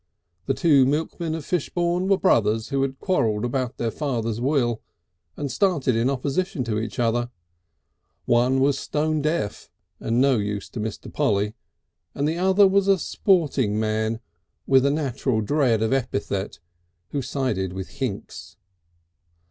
The two milkmen of Fishbourne were brothers who had quarrelled about their father's will, and started in opposition to each other; one was stone deaf and no use to Mr. Polly, and the other was a sporting man with a natural dread of epithet who sided with Hinks.